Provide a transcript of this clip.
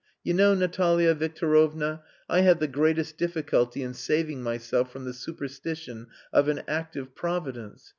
You know, Natalia Victorovna, I have the greatest difficulty in saving myself from the superstition of an active Providence.